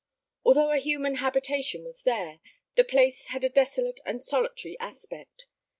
Although a human habitation was there, the place had a desolate and solitary aspect.